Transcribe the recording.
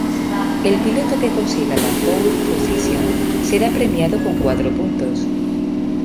El piloto que consiga la pole position será premiado con cuatro puntos.